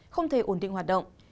không thể ổn định hoạt động